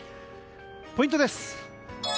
ポイントです。